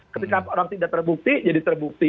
ketika orang tidak terbukti jadi terbukti